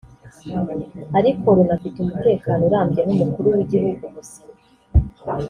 ariko runafite umutekano urambye n’Umukuru w’Igihugu muzima